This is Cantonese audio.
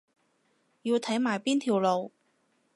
要睇埋邊條路